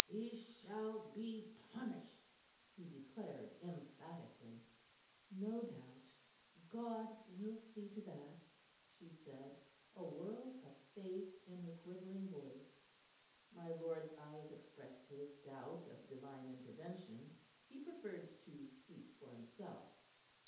"He shall be punished," he declared emphatically. "No doubt. God will see to that," she said, a world of faith in her quivering voice. My lord's eyes expressed his doubt of divine intervention. He preferred to speak for himself.